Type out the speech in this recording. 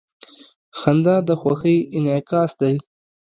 • خندا د خوښۍ انعکاس دی.